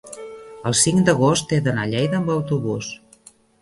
el cinc d'agost he d'anar a Lleida amb autobús.